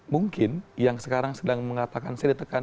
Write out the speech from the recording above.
mungkin yang sekarang sedang mengatakan saya ditekan